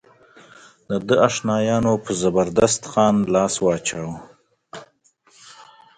د ده اشنایانو پر زبردست خان لاس واچاوه.